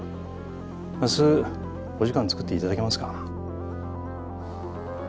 明日お時間作っていただけますか？